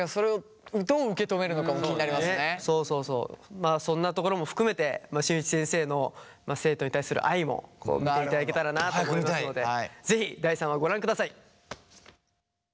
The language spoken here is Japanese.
まあそんなところも含めて新内先生の生徒に対する愛も見ていただけたらなと思いますので是非第３話ご覧ください。